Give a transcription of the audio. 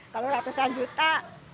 kalau ratusan juta